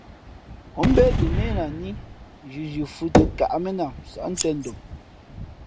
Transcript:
Ǒ mbě tα měh lah ní, nzhinzhi fhʉ̄ tᾱ káʼmenam nsάʼ tēn dom.